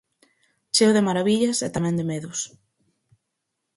Cheo de marabillas e tamén de medos.